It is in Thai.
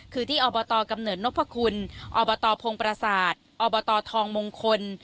คือที่อบตกำเนิดนพคุณอบตพงประสาทอบตทองมงคล